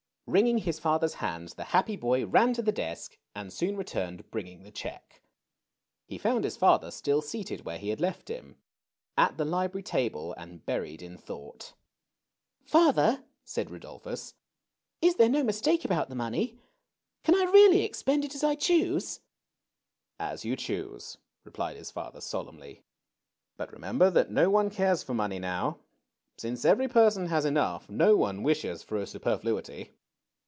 Wringing his father's hand, the happy boy ran to the desk, and soon returned bringing the check. He found his father still seated where he had left him — at the library table and buried in thought. THE PURSUIT OF HAPPINESS. 233 Father/' said Riidolphus^ there no mistake about the money? Can I really expend it as I choose?" ^^As yon choose/' replied his father, solemnly. ^^But remember that no one cares for money now. Since every person has enough, no one wishes for a super fluity.